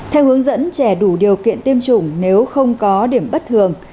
theo hướng dẫn trẻ đủ điều kiện tiêm chủng nếu không có điểm bất thường